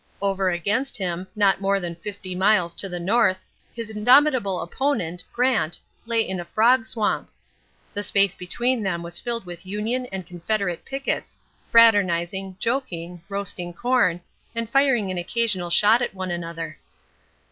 Over against him, not more than fifty miles to the north, his indomitable opponent, Grant, lay in a frog swamp. The space between them was filled with Union and Confederate pickets, fraternizing, joking, roasting corn, and firing an occasional shot at one another.